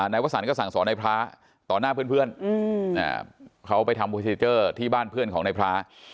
นายวสันก็สั่งสอนในพระต่อหน้าเพื่อนเขาไปทำเวอร์เซเจอร์ที่บ้านเพื่อนของนายพระ